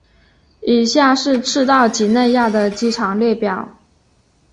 以下是赤道畿内亚的机场列表。